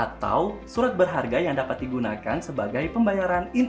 emas atau surat berharga yang dapat digunakan sebagai instrumen transaksi yang lainnya